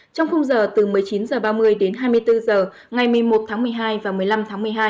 trong khung giờ từ một mươi chín h ba mươi đến hai mươi bốn h ngày một mươi một tháng một mươi hai và một mươi năm tháng một mươi hai